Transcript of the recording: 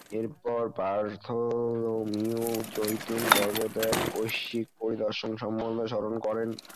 এরপর বার্থোলোমিউ জৈতুন পর্বতে এক ঐশিক পরিদর্শন সম্বন্ধে স্মরণ করেন।